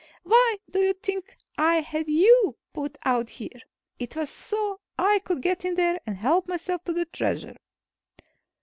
"Why do you think I had you put out here? It was so I could get in there and help myself to the Treasure."